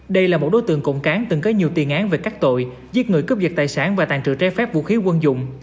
đây là một đối tượng cộng cán từng có nhiều tiền án về các tội giết người cướp giật tài sản và tàn trừ trái phép vũ khí quân dụng